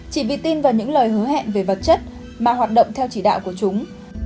chỉ bị tin vào những lời hứa hẹn về vật chất mà hoạt động theo chỉ đạo của chúng